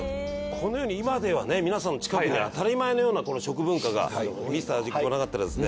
このように今ではね皆さんの近くで当たり前のようなこの食文化が『ミスター味っ子』がなかったらですね